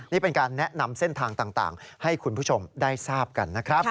นี่เป็นการแนะนำเส้นทางต่างให้คุณผู้ชมได้ทราบกันนะครับ